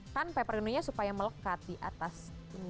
kan pepperoninya supaya melekat di atas